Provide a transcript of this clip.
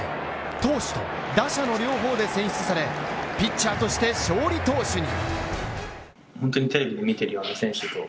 投手と打者の両方で選出され、ピッチャーとして勝利投手に。